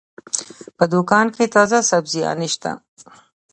په دوکان کې تازه سبزيانې شته.